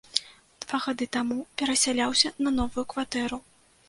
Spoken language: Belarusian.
Два гады таму перасяляўся на новую кватэру.